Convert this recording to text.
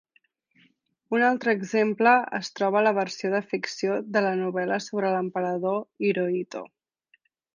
Un altre exemple es troba a la versió de ficció de la novel·la sobre l'emperador Hirohito.